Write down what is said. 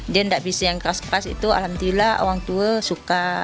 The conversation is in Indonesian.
dia tidak bisa yang kaos kaos itu alhamdulillah orang tua suka